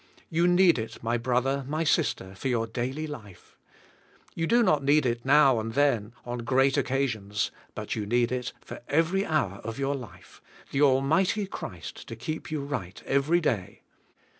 You need it, my brother, my sister, for your daily life. You do not need it now and then, on great occasions, but you need it fot every hour of your life, the Almighty Christ to keep you right every day.